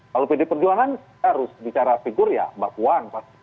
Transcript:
kalau pd perjuangan harus bicara figur ya mbak puan